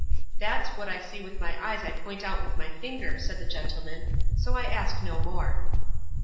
"That's 'what I see with my eyes I point out with my finger,'" said the gentleman, "so I ask no more."